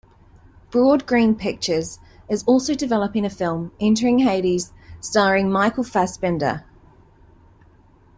Broad Green Pictures is also developing a film "Entering Hades" starring Michael Fassbender.